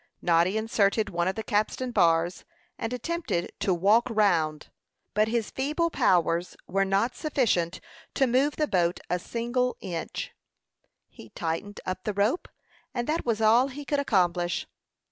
Noddy inserted one of the capstan bars, and attempted to "walk round;" but his feeble powers were not sufficient to move the boat a single inch. He tightened up the rope, and that was all he could accomplish.